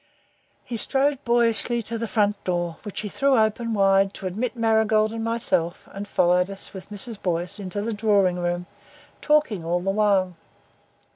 He strode boyishly to the front door, which he threw open wide to admit Marigold and myself and followed us with Mrs. Boyce into the drawing room, talking all the while.